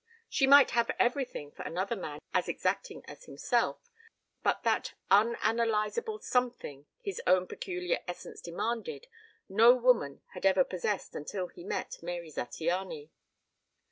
She might have everything for another man as exacting as himself, but that unanalyzable something his own peculiar essence demanded no woman had ever possessed until he met Mary Zattiany.